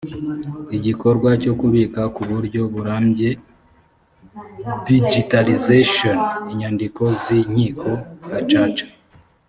igikorwa cyo kubika ku buryo burambye digitalization inyandiko z inkiko gacaca